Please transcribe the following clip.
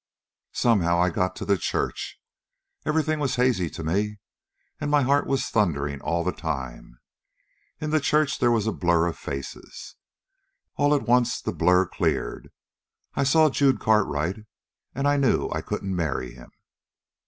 "Somehow I got to the church. Everything was hazy to me, and my heart was thundering all the time. In the church there was a blur of faces. All at once the blur cleared. I saw Jude Cartwright, and I knew I couldn't marry him!"